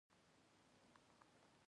د خنزير غوښه يې خوړله؟